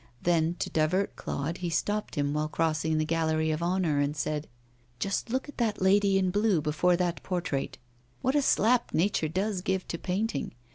Then, to divert Claude, he stopped him while crossing the Gallery of Honour and said: 'Just look at that lady in blue before that portrait! What a slap Nature does give to painting!